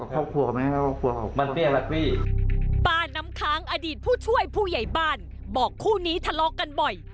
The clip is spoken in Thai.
ป้าน้ำค้างอดีตผู้ช่วยผู้ใหญ่บ้านบอกคู่นี้ทะเลาะกันบ่อย